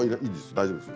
大丈夫です。